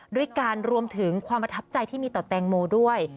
ด้วยการรวมถึงความประทับใจที่มีต่อแตงโมด้วย